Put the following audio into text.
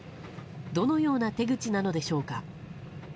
どのような手口なのでしょうか。